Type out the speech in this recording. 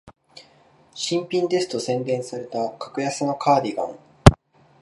新品ですと宣伝された格安のカーディガン